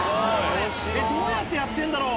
どうやってやってんだろう？